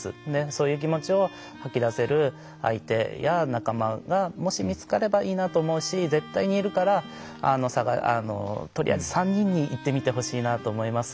そういう気持ちを吐き出せる相手や仲間が、もし見つかればいいなと思うし絶対に言えるからとりあえず３人に言ってみてほしいなと思います。